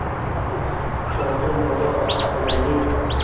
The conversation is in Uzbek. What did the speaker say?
chorsu bozor orqasidagi